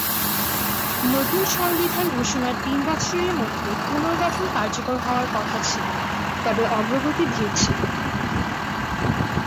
নতুন সংবিধান ঘোষণার তিন বছরের মধ্যে পুনর্গঠন কার্যকর হওয়ার কথা ছিল, তবে অগ্রগতি ধীর ছিল।